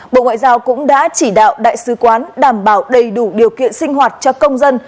bộ ngoại giao cũng đã chỉ đạo đại sứ quán đảm bảo đầy đủ điều kiện sinh hoạt cho công dân